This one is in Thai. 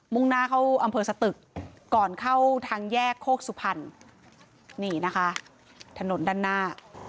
่งหน้าเข้าอำเภอสตึกก่อนเข้าทางแยกโคกสุพรรณนี่นะคะถนนด้านหน้า